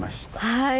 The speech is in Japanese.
はい！